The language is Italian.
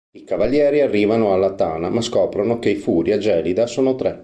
I cavalieri arrivano alla tana, ma scoprono che i Furia gelida sono tre.